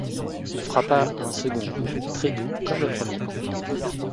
On frappa un second coup, très doux comme le premier.